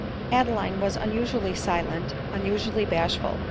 Adeline was unusually silent, unusually bash ful.